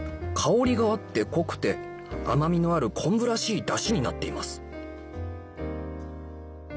香りがあって濃くて甘みのある昆布らしいダシになっています